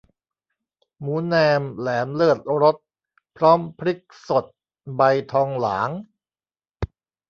หมูแนมแหลมเลิศรส พร้อมพริกสดใบทองหลาง